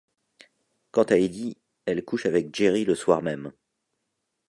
Quant à Edie, elle couche avec Jerry le soir même.